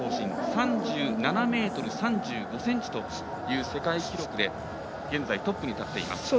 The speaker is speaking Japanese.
３７ｍ３５ｃｍという世界記録で現在トップに立っています。